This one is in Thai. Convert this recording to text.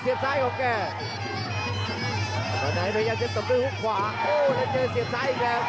ครอบครัวกำลังเซียบขวางของปีศาดแดง